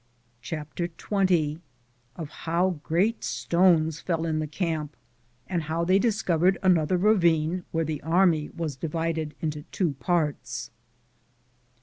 CHAPTER XX Of bow great stones fell In the camp, and how they discovered another ravine, where the army was divided into two parts.